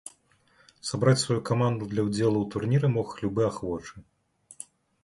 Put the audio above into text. Сабраць сваю каманду для ўдзелу ў турніры мог любы ахвочы.